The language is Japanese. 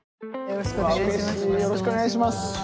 よろしくお願いします。